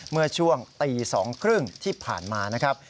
เมื่อช่วงตี๒๓๐ที่ผ่านมานะครับ